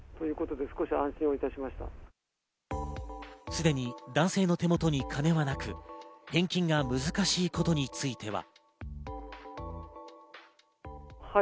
すでに男性の手元に金はなく、返金が難しいことについては。